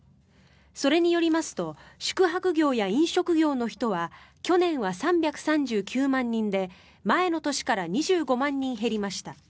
それによりますと宿泊業や飲食業の人は去年は３３９万人で前の年から２５万人減りました。